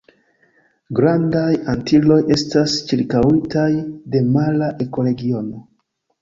Grandaj Antiloj estas ĉirkaŭitaj de mara ekoregiono.